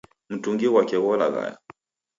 Mutungi ghwake gholaghaya.